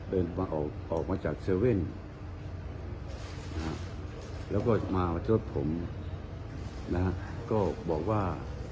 เดินมาออกออกมาจากเซเว่นนะครับแล้วก็มาเฉิดผมนะฮะก็บอกว่า